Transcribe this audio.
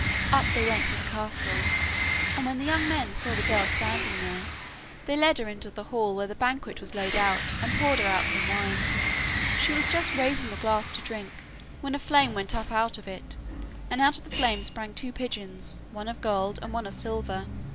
Up they went to the castle, and when the young men saw the girl standing there, they led her into the hall where the banquet was laid out and poured her out some wine. She was just raising the glass to drink when a flame went up out of it, and out of the flame sprang two pigeons, one of gold and one of silver.